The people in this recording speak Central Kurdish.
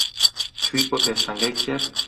چوویت بۆ پێشانگای کتێب؟